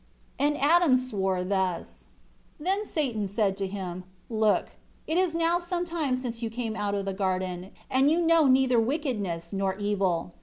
16 And Adam swore thus. 17 Then Satan said to him, "Look, it is now some time since you came out of the garden, and you know neither wickedness nor evil.